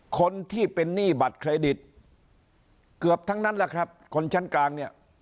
คนที่เป็นหนี้บัตรเครดิตเกือบทั้งนั้นแหละครับคนชั้นกลางเนี่ย